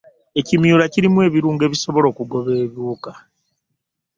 Ekimyula kirimu ebirungo ebisobola okugoba ebiwuka.